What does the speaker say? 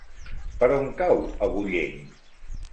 Per on cau Agullent?